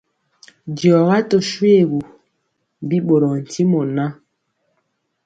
Diɔga tö shoégu, bi ɓorɔɔ ntimɔ ŋan,